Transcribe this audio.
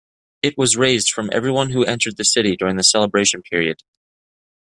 It was raised from everyone who entered the city during the celebration period.